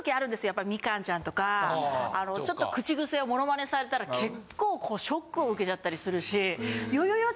やっぱみかんちゃんとかちょっと口癖をモノマネされたら結構ショックを受けちゃったりするしよよよ